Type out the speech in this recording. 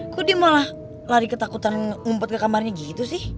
kok dia malah lari ketakutan ngumpet ke kamarnya gitu sih